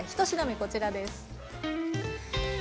１品目こちらです。